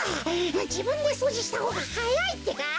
じぶんでそうじしたほうがはやいってか！